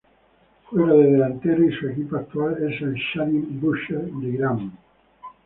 Juega de delantero y su equipo actual es el Shahin Bushehr de Irán.